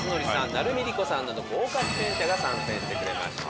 成海璃子さんなど豪華出演者が参戦してくれました。